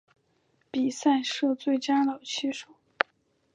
比赛设最佳老棋手。